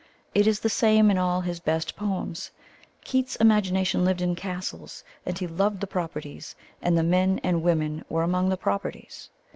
It is the same in all his best poems. Keats's imagination lived in castles, and he loved the properties, and the men and women were among the properties.